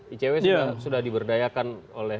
icw sudah diberdayakan oleh